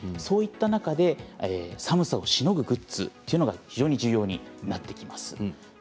そういった中で寒さをしのぐグッズというのが非常に重要になってきます。